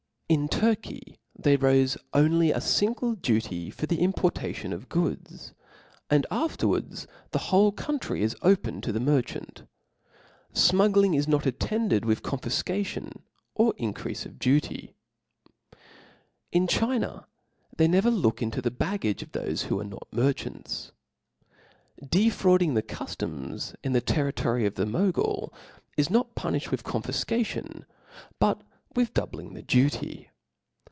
In Turky they raife only a Iingle duty for the importation of goods, and after \ wards the whole country is open ta the merchant. Smuggling is not ^attended with confifcation, or ia 0) Father creafe of duty. In China {^) they never look into TiS?^u! the baggage of thofc who arc not merchants. Dc p. 37* fraud O F L A W S. 315 frauding the cuftoips in the territory of the Mo ^^m* gul is not puniihed with c^oi^fifcation, but with Chap. ss. doubling the duty.